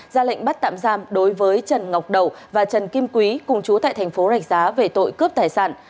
ra lệnh bắt tạm giam đối với trần ngọc đầu và trần kim quý cùng chú tại thành phố rạch giá về tội cướp tài sản